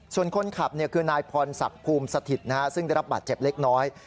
ส่วนคนขับคือนายพรศักดิ์ภูมิสถิตซึ่งได้รับบาดเจ็บเล็กน้อย